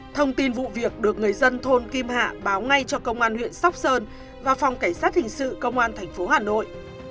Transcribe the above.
thông tin vụ việc được người dân thôn kim hạ báo ngay cho công an huyện sóc sơn và phòng cảnh sát hình sự công an tp hà nội